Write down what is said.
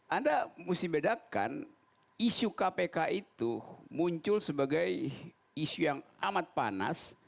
anda mesti bedakan isu kpk itu muncul sebagai isu yang amat panas